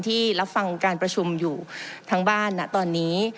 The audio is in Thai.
ที่รับฟังการประชุมอยู่ทั้งบ้านนะตอนนี้